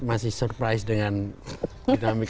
masih surprise dengan dinamika